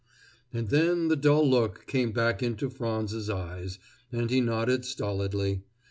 And then the dull look came back into Frands's eyes, and he nodded stolidly.